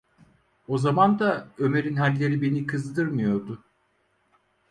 O zaman da Ömer’in halleri beni kızdırmıyordu.